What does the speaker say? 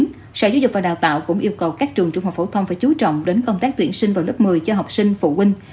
năm nay sở giáo dục và đào tạo tp hcm cũng yêu cầu các trường trung học phổ thông phải chú trọng đến công tác tuyển sinh vào lớp một mươi cho học sinh phụ huynh